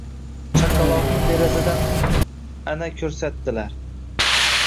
Chaqaloqni derazadan ana ko‘rsatdilar.